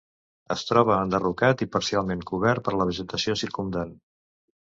Es troba enderrocat i parcialment cobert per la vegetació circumdant.